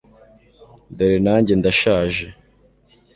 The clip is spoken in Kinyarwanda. dore nanjye ndashaje